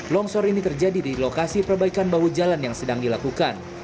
longsor ini terjadi di lokasi perbaikan bau jalan yang sedang dilakukan